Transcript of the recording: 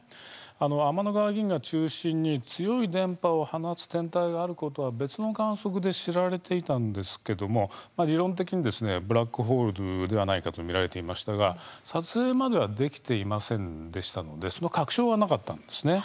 天の川銀河中心に強い電波を放つ天体があることは別の観測で知られていたんですけども理論的にブラックホールではないかと見られていましたが撮影まではできていませんでしたのでその確証はなかったんです。